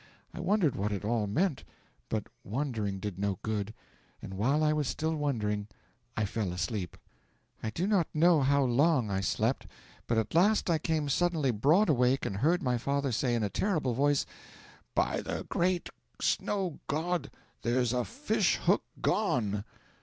I wondered what it all meant, but wondering did no good; and while I was still wondering I fell asleep. 'I do not know how long I slept, but at last I came suddenly broad awake and heard my father say in a terrible voice, "By the great Snow God, there's a fish hook gone!"